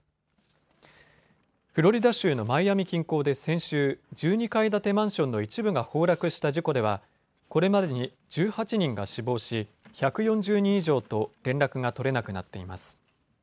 フロリダ州のマイアミ近郊で先週、１２階建てマンションの一部が崩落した事故ではこれまでに１８人が死亡し１４０人以上と連絡が取れなくなっています。